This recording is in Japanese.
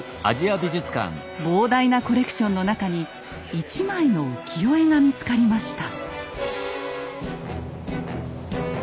膨大なコレクションの中に一枚の浮世絵が見つかりました。